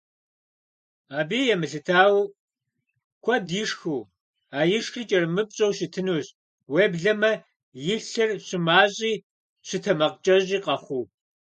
Абыи емылъытауэ, куэд ишхыу, а ишхри кӀэрымыпщӀэу щытынущ, уеблэмэ и лъыр щымащӀи щытэмакъкӀэщӀи къэхъуу.